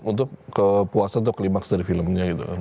untuk kepuasan atau kelimaks dari filmnya gitu kan